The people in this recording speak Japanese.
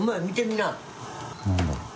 何だろう？